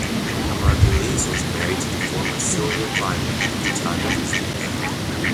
Margulies was married to the former Cylvia Kleinman at the time of his death.